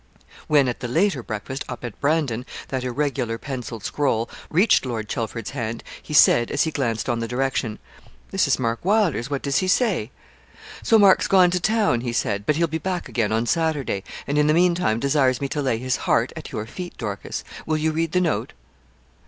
When at the later breakfast, up at Brandon, that irregular pencilled scroll reached Lord Chelford's hand, he said, as he glanced on the direction 'This is Mark Wylder's; what does he say?' 'So Mark's gone to town,' he said; 'but he'll be back again on Saturday, and in the meantime desires me to lay his heart at your feet, Dorcas. Will you read the note?'